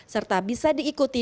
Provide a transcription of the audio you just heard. serta bisa diikuti